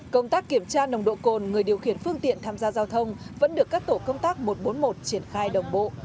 công tác kiểm tra nồng độ cồn người điều khiển phương tiện tham gia giao thông vẫn được các tổ công tác một trăm bốn mươi một triển khai đồng bộ